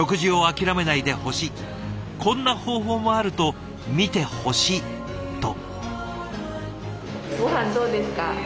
こんな方法もあると見てほしい」と。